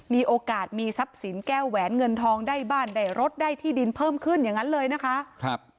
มีโอกาสมีทรัพย์สินแก้วแหวนเงินทองได้บ้านได้รถได้ที่ดินเพิ่มขึ้นอย่างนั้นเลยนะคะ